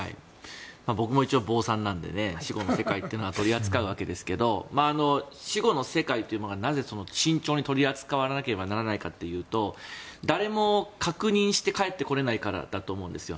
僕も一応、坊さんなので死後の世界というのは取り扱うわけなんですが死後の世界というものがなぜ慎重に取り扱わなければならないかというと誰も確認して帰ってこれないからだと思うんですよ。